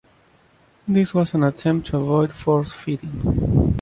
This was an attempt to avoid force-feeding.